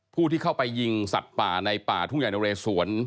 ผู้ที่เข้าไปยิงสัตว์ป่าในป่าทุ่งใหญ่นเรสวน